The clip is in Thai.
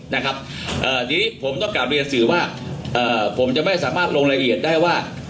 ทีนี้ผมต้องการเรียนสื่อว่าผมจะไม่สามารถลงละเอียดได้ว่า